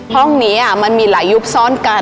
ห้องนี้มันมีหลายยุคซ่อนกัน